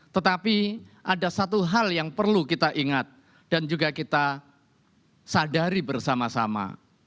tetapi ada satu hal yang perlu kita ingat dan juga kita sadari bersama sama